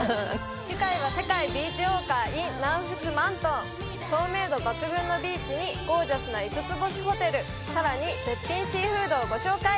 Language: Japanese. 次回は世界ビーチウォーカーｉｎ南仏マントン透明度抜群のビーチにゴージャスな５つ星ホテルさらに絶品シーフードをご紹介！